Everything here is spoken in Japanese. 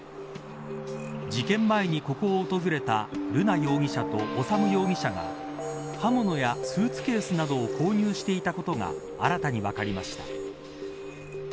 事件前にここを訪れた瑠奈容疑者と修容疑者が刃物やスーツケースなどを購入していたことが新たに分かりました。